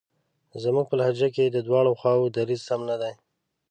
زموږ په لهجه کې د دواړو خواوو دریځ سم نه دی.